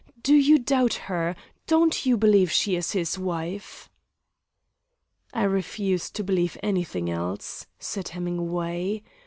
Do you doubt her? Don't you believe she is his wife?" "I refuse to believe anything else!" said Hemingway.